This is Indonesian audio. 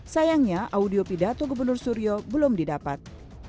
sayangnya audio pidato gubernur suryo belum didapat